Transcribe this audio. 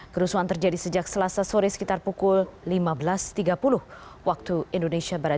kerusuhan terjadi sejak selasa sore sekitar pukul lima belas tiga puluh waktu indonesia barat